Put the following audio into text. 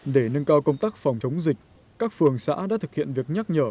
để nâng cao công tác phòng chống dịch các phường xã đã thực hiện việc nhắc nhở